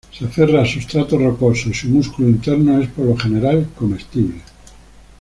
Se aferra a sustratos rocosos y su músculo interno es por lo general comestible.